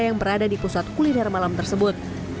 yang berada di pusat kuliner malam tersebut